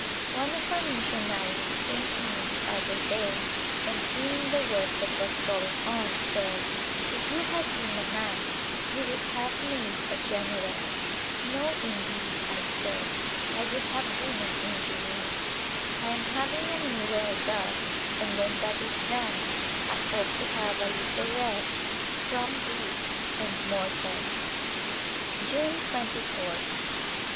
One of our missionaries came in the other day and seeing the work that was going on, said, " If you had been a man, you would have made a general." " No, indeed," I said, " I would have been an engineer." I am having a new well dug and when that is done I hope to have a little rest from brick and mortar. ^une 2ph.